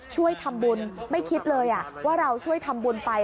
ช่วยทำบุญไม่คิดเลยว่าเราช่วยทำบุญไป